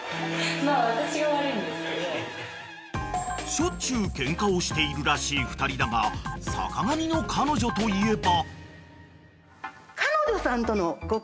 ［しょっちゅうケンカをしているらしい２人だが坂上の彼女といえば］